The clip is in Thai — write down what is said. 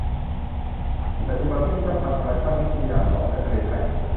ปัจจุบันพิพิธภัณฑ์ธรรมชาติวิทยาเกาะและทะเลไทย